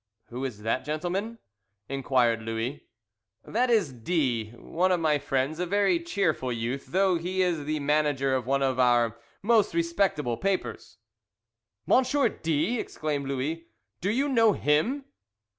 "Who is that gentleman?" inquired Louis. "That is D , one of my friends; a very cheerful youth, though he is the manager of one of our most respectable papers." "Monsieur D !" exclaimed Louis. "Do you know _him?